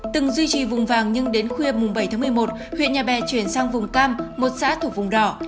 từng duy trì vùng vàng nhưng đến khuya bảy một mươi một huyện nhà bè chuyển sang vùng cam một xã thuộc vùng đỏ